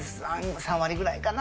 ３割ぐらいかな？